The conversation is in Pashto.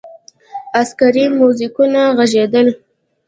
عسکري موزیکونه ږغېدل.